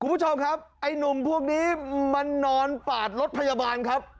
คุณผู้ชมครับไอ้หนุ่มพวกนี้มันนอนปาดรถพยาบาลครับ